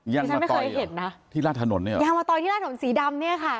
ยางมาตอยที่ราดถนนเนี่ยหรอยางมาตอยที่ราดถนนสีดำเนี่ยค่ะ